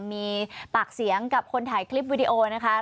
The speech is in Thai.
มีปากเสียงกับคนถ่ายคลิปวิดีโอนะคะ